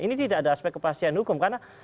ini tidak ada aspek kepastian hukum karena